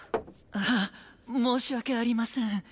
ハ申し訳ありません。